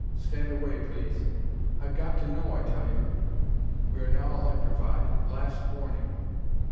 "Stand away, please!" "I've got to know, I tell you!" "We are now electrified. Last warning!"